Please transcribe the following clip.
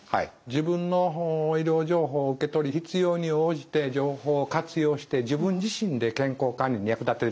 自分の医療情報を受け取り必要に応じて情報を活用して自分自身で健康管理に役立てる。